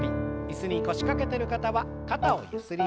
椅子に腰掛けてる方は肩をゆすります。